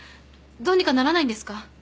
どうにかならないんですか？